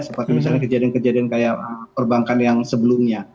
seperti misalnya kejadian kejadian kayak perbankan yang sebelumnya